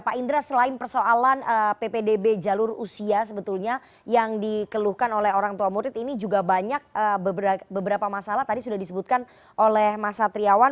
pak indra selain persoalan ppdb jalur usia sebetulnya yang dikeluhkan oleh orang tua murid ini juga banyak beberapa masalah tadi sudah disebutkan oleh mas satriawan